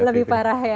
lebih parah ya